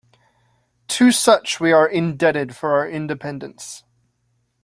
To such we are indebted for our Independence.